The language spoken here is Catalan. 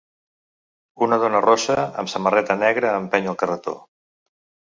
Una dona rossa amb samarreta negra empeny el carretó.